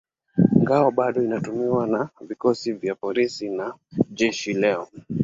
Ngao bado hutumiwa na vikosi vya polisi na jeshi leo.